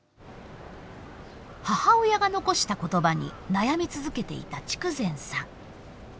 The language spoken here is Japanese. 母親が残した言葉に悩み続けていた筑前さん。